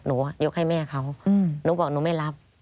ยกให้แม่เขาหนูบอกหนูไม่รับ